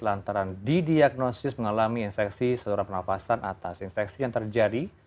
lantaran didiagnosis mengalami infeksi seluruh penapasan atas infeksi yang terjadi